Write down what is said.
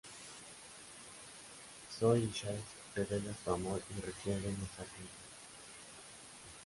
Zoey y Chase revelan su amor y quieren estar juntos.